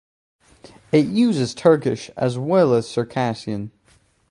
It uses Turkish as well as Circassian.